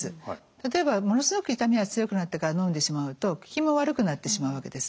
例えばものすごく痛みが強くなってからのんでしまうと効きも悪くなってしまうわけです。